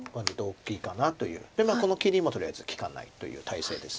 でこの切りもとりあえず利かないという態勢です。